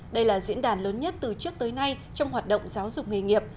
đây là diễn đàn lớn nhất từ trước tới nay trong hoạt động giáo dục nghề nghiệp